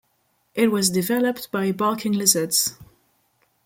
It was developed by Barking Lizards.